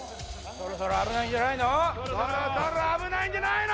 ・そろそろ危ないんじゃないの？